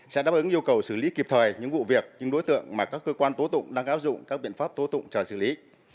sẽ đáp ứng yêu cầu xử lý kịp thời những vụ việc những đối tượng mà các cơ quan tố tụng đang áp dụng các biện pháp tố tụng chờ xử lý